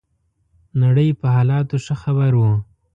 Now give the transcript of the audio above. نړۍ په حالاتو ښه خبر وو.